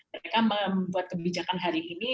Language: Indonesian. mereka membuat kebijakan hari ini